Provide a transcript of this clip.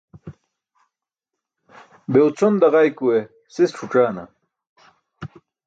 Be ucʰon daġaykuwe sis ṣuc̣aana?